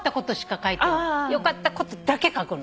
よかったことだけ書くの。